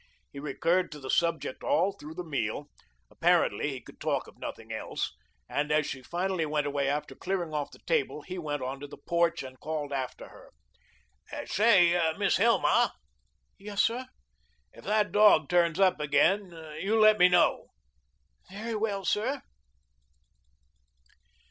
He recurred to the subject all through the meal; apparently, he could talk of nothing else, and as she finally went away after clearing off the table, he went onto the porch and called after her: "Say, Miss Hilma." "Yes, sir." "If that dog turns up again you let me know." "Very well, sir."